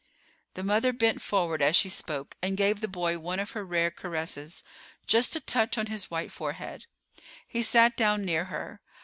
The mother bent forward as she spoke and gave the boy one of her rare caresses, just a touch on his white forehead. He sat down near her.